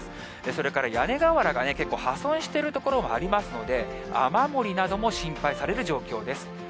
それから屋根瓦が結構破損している所もありますので、雨漏りなども心配される状況です。